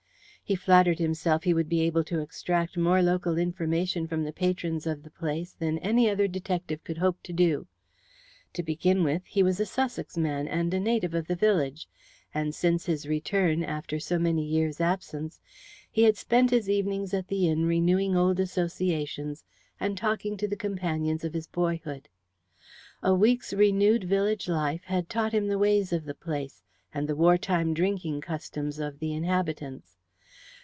He flattered himself he would be able to extract more local information from the patrons of the place than any other detective could hope to do. To begin with, he was a Sussex man and a native of the village, and since his return, after so many years' absence, he had spent his evenings at the inn renewing old associations and talking to the companions of his boyhood. A week's renewed village life had taught him the ways of the place and the war time drinking customs of the inhabitants.